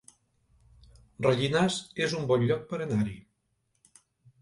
Rellinars es un bon lloc per anar-hi